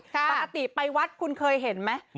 ปกติไปวัดเห็นไหม